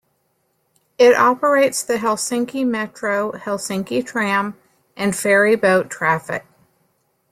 It operates the Helsinki metro, Helsinki tram and ferry boat traffic.